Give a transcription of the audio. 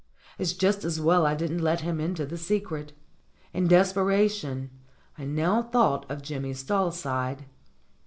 It's just as well I didn't let him into the secret. In des peration I now thought of Jimmy Stalside.